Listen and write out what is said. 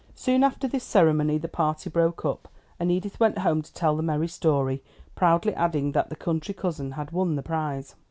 Soon after this ceremony the party broke up, and Edith went home to tell the merry story, proudly adding that the country cousin had won the prize.